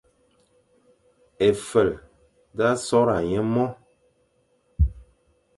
Éfel sa sorga e mo.